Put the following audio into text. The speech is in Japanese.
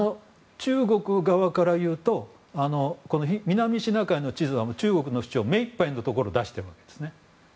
中国側からいうと南シナ海の地図は中国の主張を目いっぱいに出しているんですね。